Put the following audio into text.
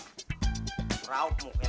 ntar mau bersihin siapa